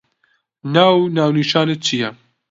ناو و ناونیشانت چییە؟